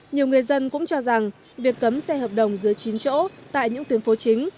nhiều người dân cũng cho rằng việc cấm xe hợp đồng dưới chín chỗ tại những tuyến phố chính